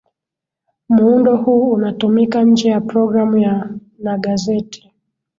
muundo huu unatumika nje ya programu ya nagazeti